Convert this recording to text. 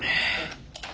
え？